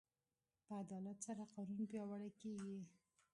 په عدالت سره قانون پیاوړی کېږي.